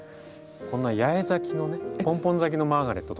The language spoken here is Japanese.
こんな八重咲きのねポンポン咲きのマーガレットとかね。